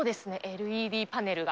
ＬＥＤパネルが。